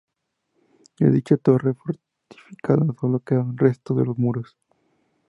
De dicha torre fortificada solo quedan restos de los muros.